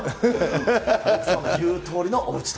言うとおりのおうちと。